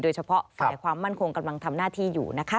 เฉพาะฝ่ายความมั่นคงกำลังทำหน้าที่อยู่นะคะ